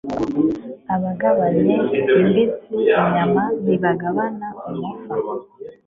abagabanye imbisi (inyama) ntibagabana umufa